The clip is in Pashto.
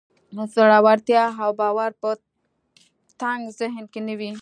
زړورتيا او باور په تنګ ذهن کې نه وي.